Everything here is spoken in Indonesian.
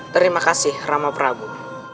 terima kasih rama prabu